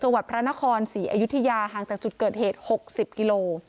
วัดพระนครศรีอยุธยาห่างจากจุดเกิดเหตุ๖๐กิโล